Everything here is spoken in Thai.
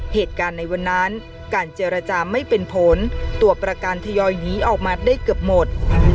เหตุการณ์ในวันนั้นการเจรจาไม่เป็นผลตัวประกันทยอยหนีออกมาได้เกือบหมด